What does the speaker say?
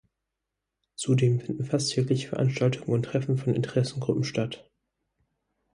Zudem finden fast täglich Veranstaltungen und Treffen von Interessengruppen statt.